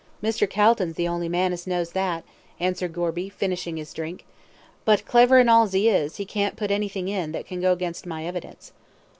"Mr. Calton's the only man as knows that," answered Gorby, finishing his drink; "but, clever and all as he is, he can't put anything in, that can go against my evidence."